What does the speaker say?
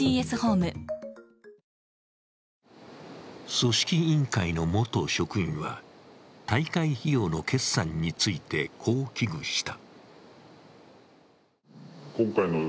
組織委員会の元職員は大会費用の決算についてこう危惧した。